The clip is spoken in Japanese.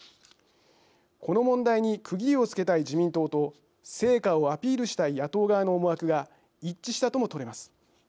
この問題に区切りをつけたい自民党と成果をアピールしたい野党側の思惑が一致したともとれます。